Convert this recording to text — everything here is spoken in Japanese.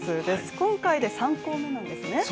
今回で３校目なんですね